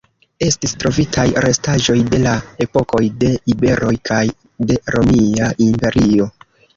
Estis trovitaj restaĵoj de la epokoj de iberoj kaj de Romia Imperio.